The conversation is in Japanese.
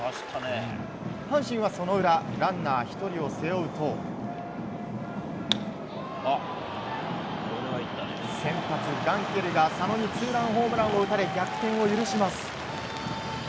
阪神はその裏ランナー１人を背負うと先発、ガンケルが佐野にツーランホームランを打たれ逆転を許します。